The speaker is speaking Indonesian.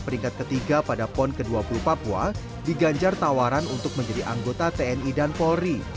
peringkat ketiga pada pon ke dua puluh papua diganjar tawaran untuk menjadi anggota tni dan polri